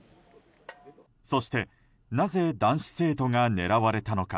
そしてなぜ男子生徒が狙われたのか。